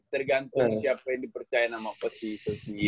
tergantung siapa yang dipercayain sama cosy